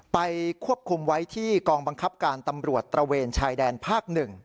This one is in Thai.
ไปควบคุมไว้ที่กองบังคับการตำรวจตระเวนชายแดนภาค๑